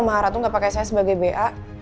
maha ratu gak pakai saya sebagai ba